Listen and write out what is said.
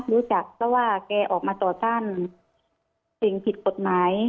รู้จักเพราะว่าแกออกมาต่อต้านสิ่งผิดกฎหมาย